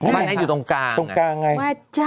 บ้านไอ้อยู่ตรงกลางตรงกลางไงแม่เจ้า